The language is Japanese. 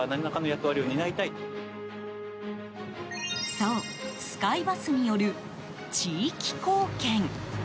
そう、スカイバスによる地域貢献。